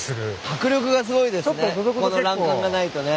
迫力がすごいですね